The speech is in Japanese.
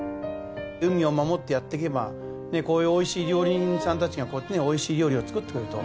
海を守ってやっていけばおいしい料理人さんたちがこうやってねおいしい料理を作ってくれると。